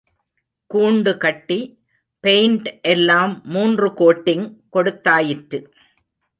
கூண்டுகட்டி, paint எல்லாம் மூன்று coating கொடுத்தாயிற்று.